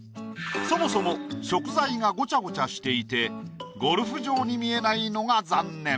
そもそも食材がごちゃごちゃしていてゴルフ場に見えないのが残念。